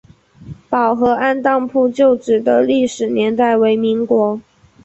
宝和按当铺旧址的历史年代为民国。